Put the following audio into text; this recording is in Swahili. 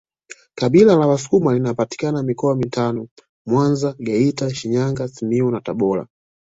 Kabila la wasukuma linapatikana mikoa mitano Mwanza Geita Shinyanga Simiyu na Tabora